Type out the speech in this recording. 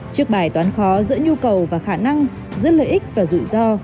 trước bài toán khó giữa nhu cầu và khả năng giữa lợi ích và rủi ro